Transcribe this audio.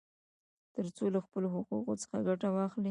ترڅو له خپلو حقوقو څخه ګټه واخلي.